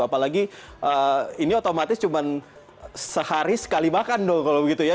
apalagi ini otomatis cuma sehari sekali makan dong kalau begitu ya